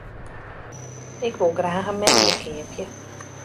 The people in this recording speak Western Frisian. Ik woe graach in merje keapje.